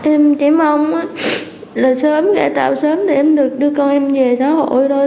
em chỉ mong là sớm cải tạo sớm để em được đưa con em về xã hội thôi